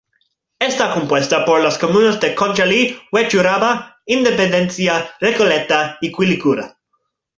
Está compuesta por las comunas de Conchalí, Huechuraba, Independencia, Recoleta y Quilicura.